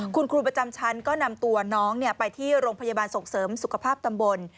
คุณครูประจำชั้นก็นำตัวน้องไปที่โรงพยาบาลส่งเสริมสุขภาพตำบล